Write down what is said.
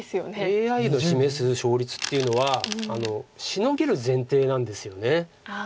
ＡＩの示す勝率っていうのはシノげる前提なんですよね。